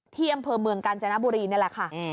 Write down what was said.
ที่อำเภอเมืองกาญจนบุรีนี่แหละค่ะ